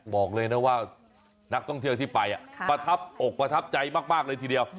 บอกเลยนะว่านักท่องเที่ยวที่ไปประทับอกประทับใจมากเลยทีเดียว